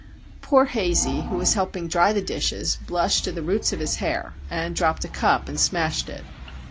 Poor Hazey, who was helping dry the dishes, blushed to the roots of his hair, and dropped a cup and smashed it.